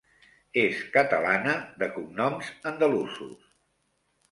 És catalana, de cognoms andalusos.